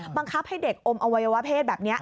บังคับให้เด็กอมอวัยวะเพศแบบนี้